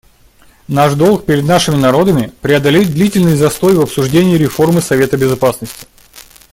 Наш долг перед нашими народами — преодолеть длительный застой в обсуждении реформы Совета Безопасности.